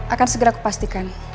akan segera kupastikan